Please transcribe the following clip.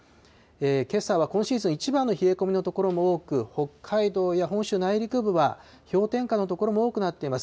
けさは今シーズン一番の冷え込みの所も多く、北海道や本州内陸部は、氷点下の所も多くなっています。